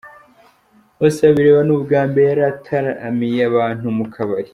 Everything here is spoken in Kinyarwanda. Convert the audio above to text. Bosebabireba ni ubwa mbere yari ataramiye abantu mu kabari.